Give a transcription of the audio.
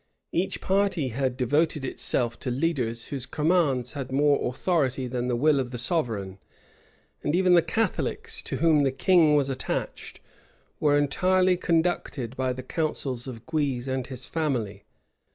Each party had devoted itself to leaders whose commands had more authority than the will of the sovereign; and even the Catholics, to whom the king was attached, were entirely conducted by the counsels of Guise and his family.